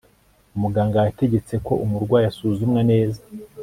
muganga yategetse ko umurwayi asuzumwa neza